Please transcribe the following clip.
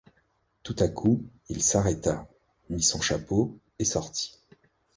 Tout à coup, il s’arrêta, mit son chapeau et sortit.